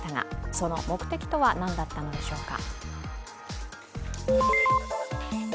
その目的とは何だったのでしょうか。